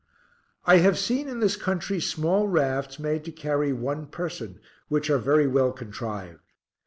I have seen in this country small rafts made to carry one person, which are very well contrived.